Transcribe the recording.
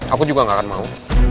aku juga gak akan mau